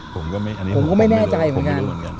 ผมไม่รู้เหมือนกัน